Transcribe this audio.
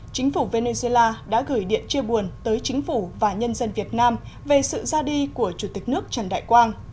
chính phủ venezuela đã gửi điện chia buồn tới chính phủ và nhân dân việt nam về sự ra đi của chủ tịch nước trần đại quang